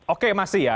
oke masih ya